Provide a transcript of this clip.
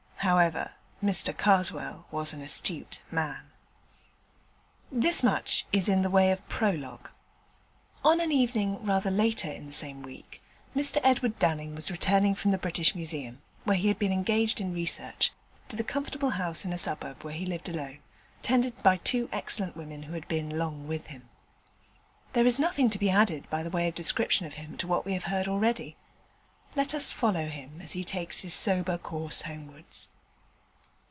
However, Mr Karswell was an astute man. This much is in the way of prologue. On an evening rather later in the same week, Mr Edward Dunning was returning from the British Museum, where he had been engaged in Research, to the comfortable house in a suburb where he lived alone, tended by two excellent women who had been long with him. There is nothing to be added by way of description of him to what we have heard already. Let us follow him as he takes his sober course homewards.